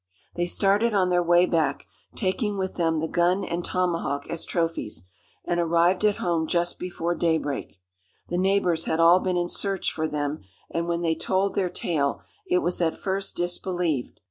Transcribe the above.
They started on their way back, taking with them the gun and tomahawk as trophies, and arrived at home just before day break. The neighbours had all been in search for them, and when they told their tale, it was at first disbelieved.